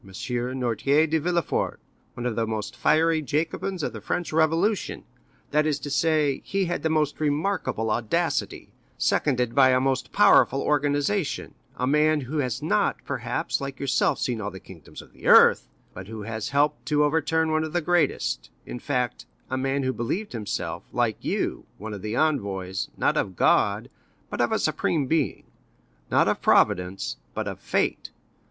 Noirtier de Villefort, one of the most fiery Jacobins of the French Revolution; that is to say, he had the most remarkable audacity, seconded by a most powerful organization—a man who has not, perhaps, like yourself seen all the kingdoms of the earth, but who has helped to overturn one of the greatest; in fact, a man who believed himself, like you, one of the envoys, not of God, but of a supreme being; not of Providence, but of fate.